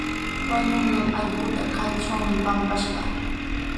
Wañunqan allquuta kaytrawmi pampashqaa.